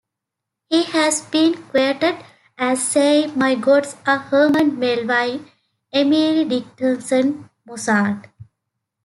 He has been quoted as saying, My gods are Herman Melville, Emily Dickinson, Mozart.